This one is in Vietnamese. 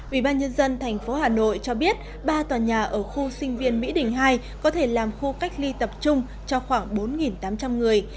ubnd tp hà nội cho biết ba tòa nhà ở khu sinh viên mỹ đình hai có thể làm khu cách ly tập trung cho khoảng bốn tám trăm linh người